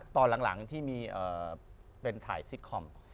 ตอนหลังที่มีเป็นถ่ายซิตคอม